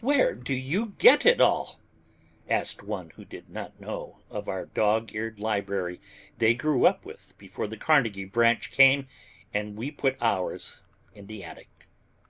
"Where do you get it all?" asked one who did not know of our dog eared library they grew up with before the Carnegie branch came and we put ours in the attic.